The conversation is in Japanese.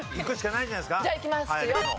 じゃあいきます。